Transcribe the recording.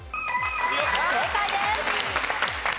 正解です。